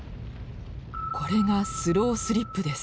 これがスロースリップです。